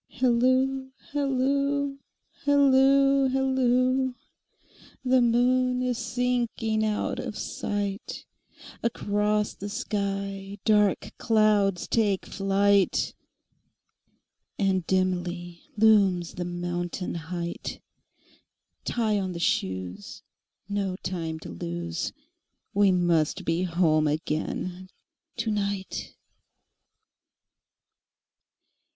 Hilloo, hilloo, hilloo, hilloo! The moon is sinking out of sight, Across the sky dark clouds take flight, And dimly looms the mountain height; Tie on the shoes, no time to lose, We must be home again to night.